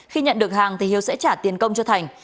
khi nhận được hàng thì hiếu sẽ trả tiền công cho thành